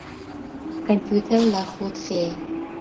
کمپيوټر لارښود ښيي.